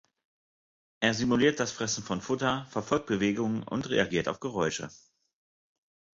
Er simuliert das Fressen von Futter, verfolgt Bewegungen und reagiert auf Geräusche.